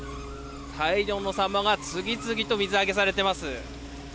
大量のサンマが次々と水揚げされてます。